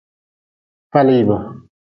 Falibi.